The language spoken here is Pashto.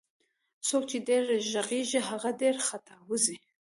څوک چي ډير ږغږي هغه ډير خطاوزي